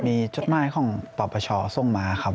มีจดหมายของปปชส่งมาครับ